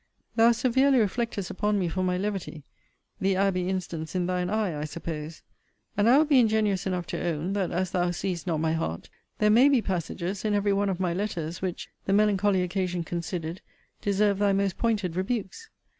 Thou severely reflectest upon me for my levity: the Abbey instance in thine eye, I suppose. And I will be ingenuous enough to own, that as thou seest not my heart, there may be passages, in every one of my letters, which (the melancholy occasion considered) deserve thy most pointed rebukes.